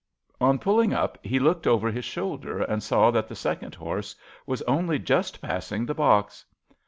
On pulling up he looked over his shoulder and saw that the second horse was only just passing the box.